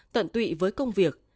tận tụy với công việc